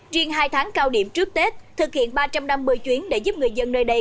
riêng hai tháng cao điểm trước tết thực hiện ba trăm năm mươi chuyến để giúp người dân nơi đây